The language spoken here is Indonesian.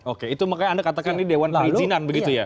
oke itu makanya anda katakan ini dewan perizinan begitu ya